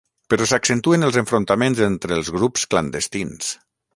Però s'accentuen els enfrontaments entre els grups clandestins.